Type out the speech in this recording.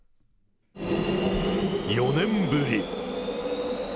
４年ぶり。